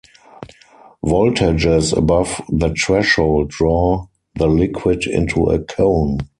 Voltages above the threshold draw the liquid into a cone.